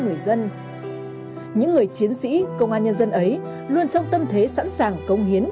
người dân những người chiến sĩ công an nhân dân ấy luôn trong tâm thế sẵn sàng công hiến